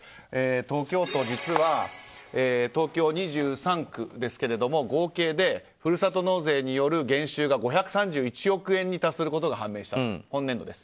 東京都、東京２３区ですが合計でふるさと納税による減収が５３１億円に達することが判明したと、本年度です。